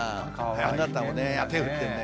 あなたもね、手を振ってるね。